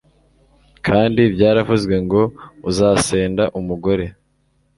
kandi byaravuzwe ngo, 'uzasenda umugore